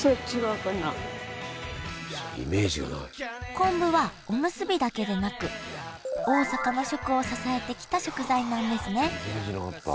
昆布はおむすびだけでなく大阪の食を支えてきた食材なんですね